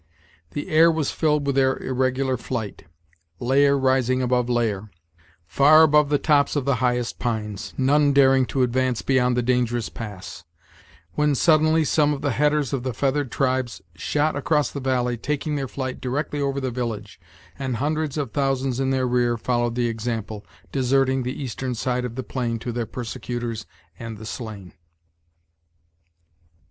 The air was filled with their irregular flight, layer rising above layer, far above the tops of the highest pines, none daring to advance beyond the dangerous pass; when, suddenly, some of the headers of the feathered tribes shot across the valley, taking their flight directly over the village, and hundreds of thousands in their rear followed the example, deserting the eastern side of the plain to their persecutors and the slain.